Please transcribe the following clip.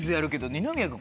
二宮君